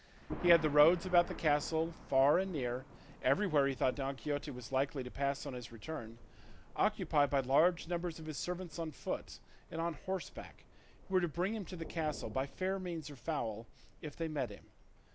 He had the roads about the castle far and near, everywhere he thought Don Quixote was likely to pass on his return, occupied by large numbers of his servants on foot and on horseback, who were to bring him to the castle, by fair means or foul, if they met him.